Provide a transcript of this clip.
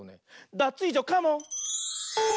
ダツイージョカモン！